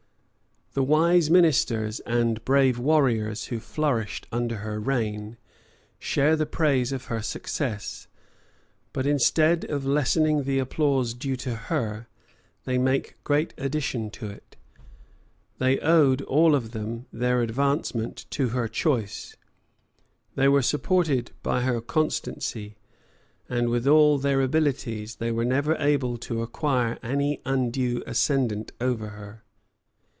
The wise ministers and brave warriors who flourished under her reign, share the praise of her success; but instead of lessening the applause due to her, they make great addition to it. They owed all of them their advancement to her choice; they were supported by her constancy; and, with all their abilities, they were never able to acquire any undue ascendant over her.